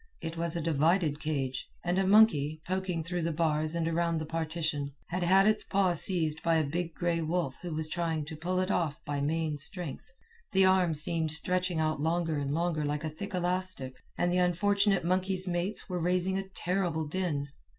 It was a divided cage, and a monkey, poking through the bars and around the partition, had had its paw seized by a big gray wolf who was trying to pull it off by main strength. The arm seemed stretching out longer end longer like a thick elastic, and the unfortunate monkey's mates were raising a terrible din.